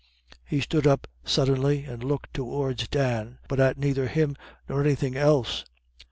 He stood up suddenly and looked towards Dan, but at neither him nor anything else.